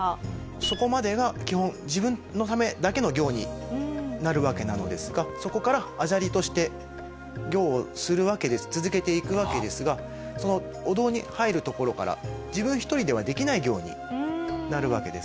そこまでが基本自分のためだけの行になるわけなのですがそこから阿闍梨として行を続けていくわけですがお堂に入るところから自分一人ではできない行になるわけです。